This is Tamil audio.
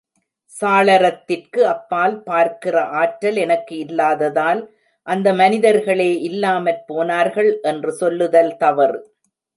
சாளரத்திற்கு அப்பால் பார்க்கிற ஆற்றல் எனக்கு இல்லாததால், அந்த மனிதர்களே இல்லாமற் போனார்கள் என்று சொல்லுதல் தவறு.